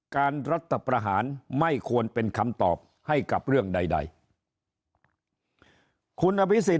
รัฐประหารไม่ควรเป็นคำตอบให้กับเรื่องใดคุณอภิษฎ